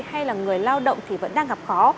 hay là người lao động thì vẫn đang gặp khó